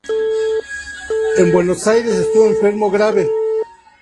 En Buenos Aires estuvo enfermo grave.